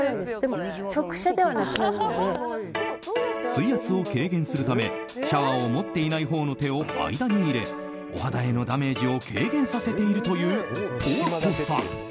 水圧を軽減するためシャワーを持ってないほうの手を間に入れお肌へのダメージを軽減させているという十和子さん。